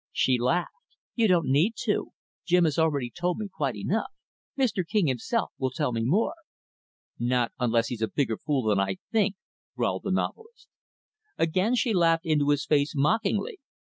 She laughed. "You don't need to. Jim has already told me quite enough. Mr. King, himself, will tell me more." "Not unless he's a bigger fool than I think," growled the novelist. Again, she laughed into his face, mockingly.